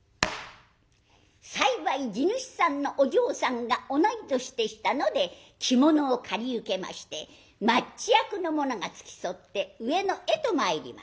幸い地主さんのお嬢さんが同い年でしたので着物を借り受けまして町役の者が付き添って上野へと参ります。